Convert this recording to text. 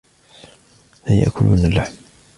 لا يأكلون اللحم.